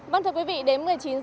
bạn thưa quý vị đến một mươi chín h